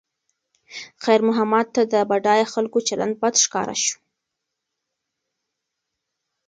خیر محمد ته د بډایه خلکو چلند بد ښکاره شو.